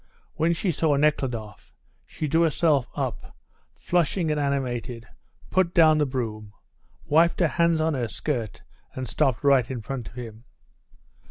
When she saw Nekhludoff, she drew herself up, flushing and animated, put down the broom, wiped her hands on her skirt, and stopped right in front of him.